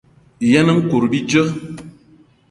Yen nkout bíjé.